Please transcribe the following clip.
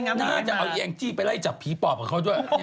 น่าจะเอาแองจี้ไปไล่จับผีปอบกับเขาด้วย